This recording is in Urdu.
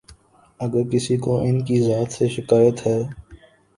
اگر کسی کو ان کی ذات سے شکایت ہے۔